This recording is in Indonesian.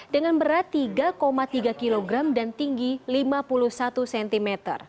dengan berat tiga tiga kg dan tinggi lima puluh satu cm